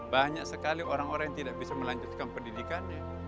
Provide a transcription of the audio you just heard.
banyak sekali orang orang yang tidak bisa melanjutkan pendidikannya